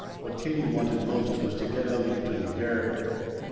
What Katie wanted most was to get out into the air.